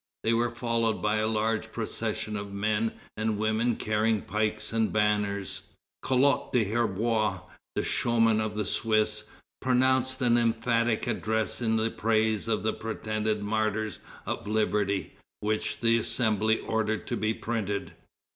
They were followed by a large procession of men and women carrying pikes and banners. Collot d'Herbois, the showman of the Swiss, pronounced an emphatic address in praise of the pretended martyrs of liberty, which the Assembly ordered to be printed.